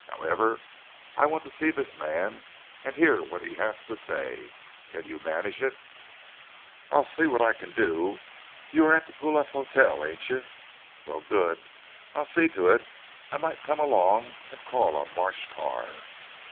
However, I want to see this man and hear what he has to say. Can you manage it?" "I'll see what I can do. You are at the Guelph Hotel ain't you? Very good. I'll see to it. I might come along and call on Marsh Carr."